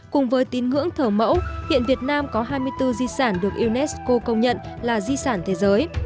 cùng với tín ngưỡng thờ mẫu hiện việt nam có hai mươi bốn di sản được unesco công nhận là di sản thế giới